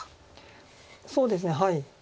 そうですねはい。